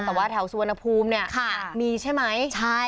แต่ว่าแถวสุวรรณภูมินี่มีใช่ไหมเช่นตรงนี้อ๋อ